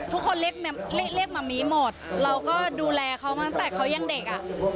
ทุกคนเรียกมะมิหมดเราก็ดูแลเขามาตั้งแต่เขายังเด็กอ่ะ